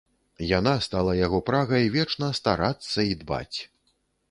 Яна стала яго прагай вечна старацца і дбаць.